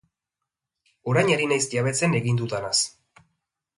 Orain ari naiz jabetzen egin dudanaz.